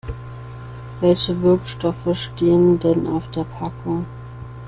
Welche Wirkstoffe stehen denn auf der Packung?